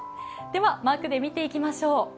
ではマークで見ていきましょう。